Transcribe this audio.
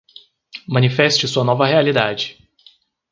Manifeste sua nova realidade